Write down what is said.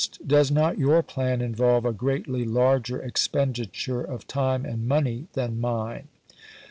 Does not your plan involve a greatly larger ex penditure of time and money than mine